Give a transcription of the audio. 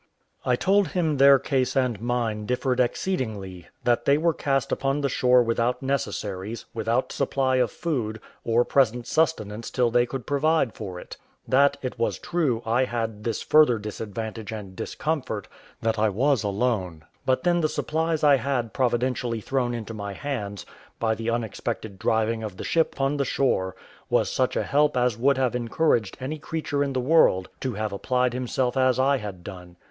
I told him their case and mine differed exceedingly; that they were cast upon the shore without necessaries, without supply of food, or present sustenance till they could provide for it; that, it was true, I had this further disadvantage and discomfort, that I was alone; but then the supplies I had providentially thrown into my hands, by the unexpected driving of the ship on the shore, was such a help as would have encouraged any creature in the world to have applied himself as I had done.